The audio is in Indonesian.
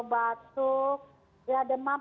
batuk ya demam